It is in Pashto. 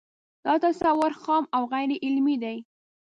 دا تصور خام او غیر علمي دی